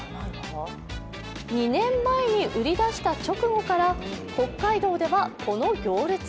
２年前に売り出した直後から、北海道ではこの行列。